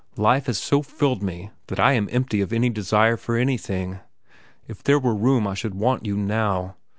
Life has so filled me that I am empty of any desire for anything. If there were room, I should want you, now.